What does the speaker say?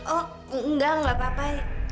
oh enggak enggak apa apa ya